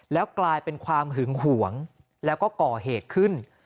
แล้วกลายเป็นความหึงหวงแล้วก็ก่อเหตุขึ้น